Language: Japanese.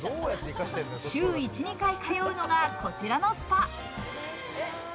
週１２回通うのが、こちらのスパ。